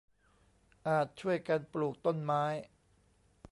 อาจช่วยกันปลูกต้นไม้